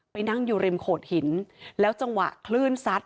นั่งอยู่ริมโขดหินแล้วจังหวะคลื่นซัด